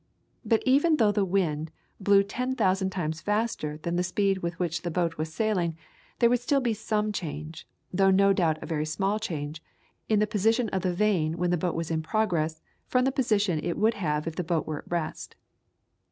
But even though the wind blew ten thousand times faster than the speed with which the boat was sailing there would still be some change, though no doubt a very small change, in the position of the vane when the boat was in progress from the position it would have if the boat were at rest.